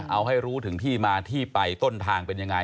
เอาให้รู้ถึงที่มาที่ไปต้นทางเป็นยังไง